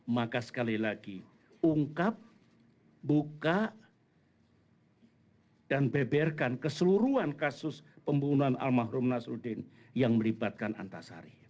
maka sekali lagi ungkap buka dan beberkan keseluruhan kasus pembunuhan al mahrum nasruddin yang melibatkan antasari